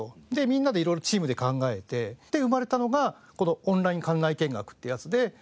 みんなで色々チームで考えてで生まれたのがこのオンライン館内見学ってやつで。